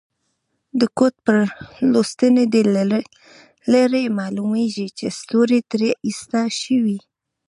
د کوټ پر لستوڼي دي له لرې معلومیږي چي ستوري ترې ایسته شوي.